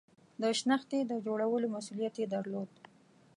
د شنختې د جوړولو مسئولیت یې درلود.